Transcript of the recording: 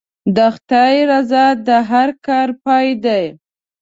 د خدای رضا د هر کار پای دی.